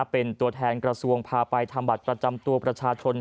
เป็นตัวแทนกระทรวงพาไปทำบัตรประจำตัวประชาชน